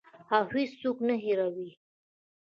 او هیڅوک نه هیروي.